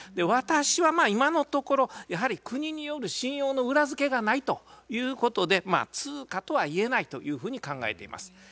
私は今のところやはり国による信用の裏付けがないということで通貨とはいえないというふうに考えています。